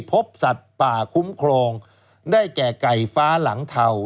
พบสัตว์ป่าคุ้มครองได้แก่ไก่ฟ้าหลังเทา